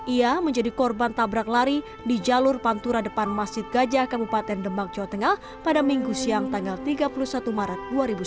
ia menjadi korban tabrak lari di jalur pantura depan masjid gajah kabupaten demak jawa tengah pada minggu siang tanggal tiga puluh satu maret dua ribu sembilan belas